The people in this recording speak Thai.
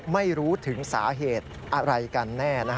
ไม่รู้ถึงสาเหตุอะไรกันแน่